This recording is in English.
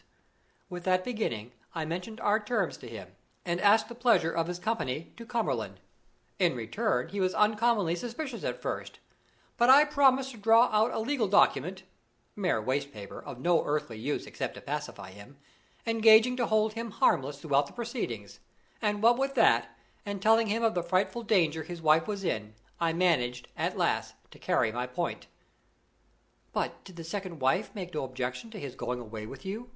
With that beginning, I mentioned our terms to him, and asked the pleasure of his company to Cumberland in return, he was uncommonly suspicious at first, but I promised to draw out a legal document (mere waste paper, of no earthly use except to pacify him), engaging to hold him harmless throughout the proceedings; and what with that, and telling him of the frightful danger his wife was in, I managed, at last, to carry my point." "But did the second wife make no objection to his going away with you?"